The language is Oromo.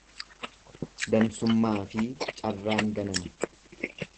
Dansummaafi carraan ganama.